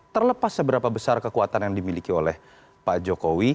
terlepas seberapa besar kekuatan yang dimiliki oleh pak jokowi